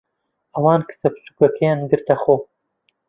ئەوان کچە بچووکەکەیان گرتەخۆ.